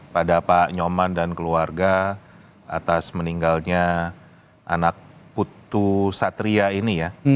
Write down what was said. pada pak nyoman dan keluarga atas meninggalnya anak putu satria ini ya